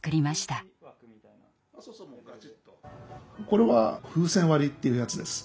これは風船割りっていうやつです。